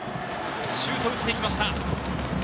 シュートを打っていきました。